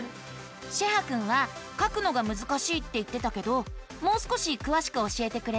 シェハくんは書くのがむずかしいって言ってたけどもう少しくわしく教えてくれる？